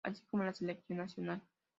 Así como la selección Nacional.